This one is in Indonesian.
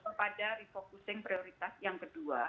saya masuk ke refocusing prioritas yang kedua